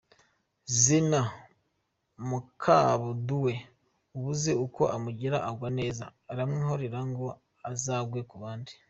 Zena Mukabuduwe abuze uko amugira agwa neza aramwihorera ngo azagwe ku bandi.